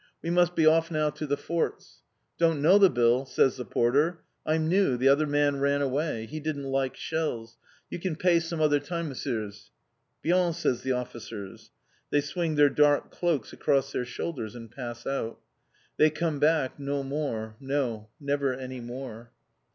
We must be off now to the forts!" "Don't know the bill," says the porter. "I'm new, the other man ran away. He didn't like shells. You can pay some other time, Messieurs!" "Bien!" says the officers. They swing their dark cloaks across their shoulders and pass out. They come back no more, no, never any more.